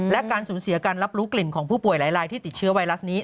และการสูญเสียการรับรู้กลิ่นของผู้ป่วยหลายที่ติดเชื้อไวรัสนี้